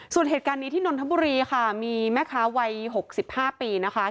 ส่วนเหตุการณ์นี้ที่นนทบุรีค่ะมีแม่ค้าวัย๖๕ปีนะคะ